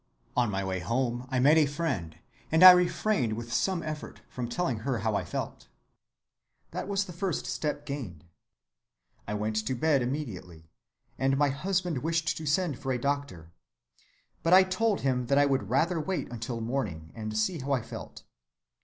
On my way home I met a friend, and I refrained with some effort from telling her how I felt. That was the first step gained. I went to bed immediately, and my husband wished to send for the doctor. But I told him that I would rather wait until morning and see how I felt.